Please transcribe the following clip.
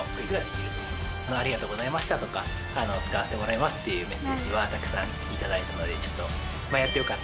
「ありがとうございました」とか「使わせてもらいます」っていうメッセージはたくさん頂いたので。